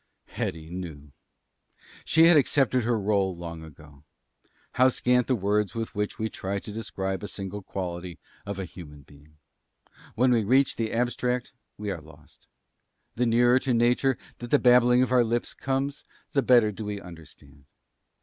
Hetty knew. She had accepted her rôle long ago. How scant the words with which we try to describe a single quality of a human being! When we reach the abstract we are lost. The nearer to Nature that the babbling of our lips comes, the better do we understand.